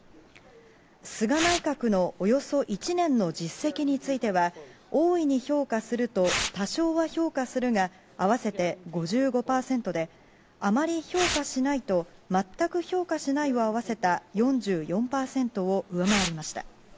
菅内閣のおよそ１年の実績については、大いに評価すると、多少は評価するが、合わせて５５％で、あまり評価しないと、全く評価しないを合わせた４４％を上回りました。